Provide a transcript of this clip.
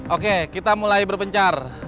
oke kita mulai berpencar